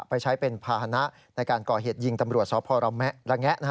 ไปใช้เป็นภาษณะในการก่อเหตุยิงตำรวจสพระแงะ